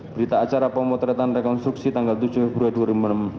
berita acara pemotretan rekonstruksi tanggal tujuh februari dua ribu enam belas